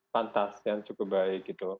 pantas yang cukup baik